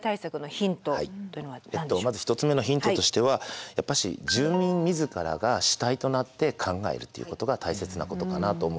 まず１つ目のヒントとしてはやっぱし住民自らが主体となって考えるっていうことが大切なことかなと思ってます。